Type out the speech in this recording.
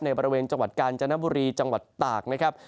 บริเวณจังหวัดกาญจนบุรีจังหวัดตากนะครับ